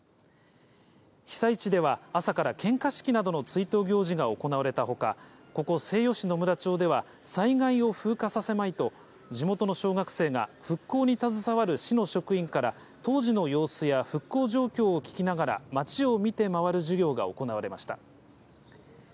被災地では、朝から献花式などの追悼行事が行われたほか、ここ西予市野村町では、災害を風化させまいと、地元の小学生が復興に携わる市の職員から当時の様子や復興状況を聞きながら、町を見て回る授業が行われました。